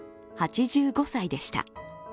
８５歳でした。